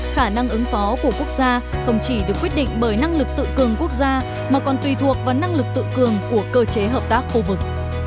khả năng ứng phó của quốc gia không chỉ được quyết định bởi năng lực tự cường quốc gia mà còn tùy thuộc vào năng lực tự cường của cơ chế hợp tác khu vực